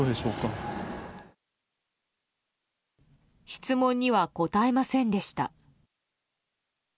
質問には答えませんでした。